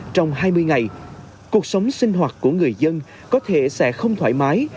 trong hai mươi ngày cuộc sống sinh hoạt của người dân có thể sẽ không thoải mái